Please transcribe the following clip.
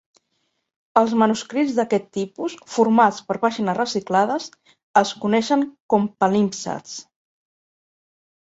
Els manuscrits d"aquest tipus, formats per pàgines reciclades, es coneixen com palimpsests.